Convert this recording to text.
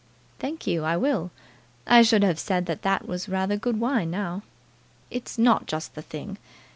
"Thank you, I will. I should have said that that was rather good wine, now." "It's not just the thing.